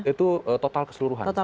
itu total keseluruhan